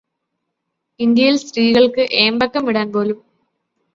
ഇന്ത്യയിൽ സ്ത്രീകൾക്ക് ഏമ്പക്കം വിടാന് പോലും